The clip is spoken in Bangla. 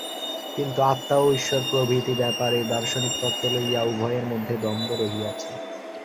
কিন্তু আত্মা ও ঈশ্বর প্রভৃতি ব্যাপারে দার্শনিক তত্ত্ব লইয়া উভয়ের মধ্যে দ্বন্দ্ব রহিয়াছে।